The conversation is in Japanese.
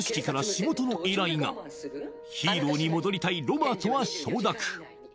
ヒーローに戻りたいロバートは承諾